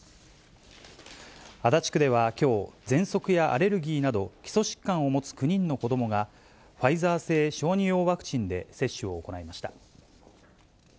足立区ではきょう、ぜんそくやアレルギーなど、基礎疾患を持つ９人の子どもが、ファイザー製小児用ワクチンで接種を行いました。